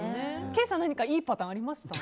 ケイさん、何かいいパターンありました？